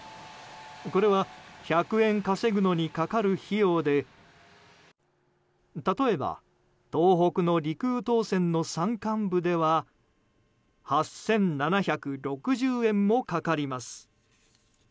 これは１００円稼ぐのにかかる費用で例えば東北の陸羽東線の山間部では８７６０円もかかります。